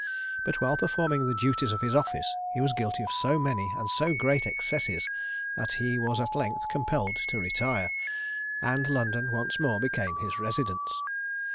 But while performing the duties of his office, he was guilty of so many and so great excesses, that he was at length compelled to retire, and London once more became his residence.